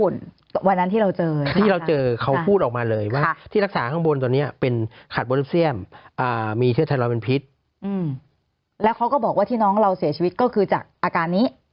แล้วเขาก็บอกว่าที่น้องเราเสียชีวิตก็คือจากอาการนี้